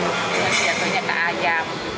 biasanya ke ayam